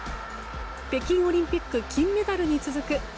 北京オリンピック金メダルに続く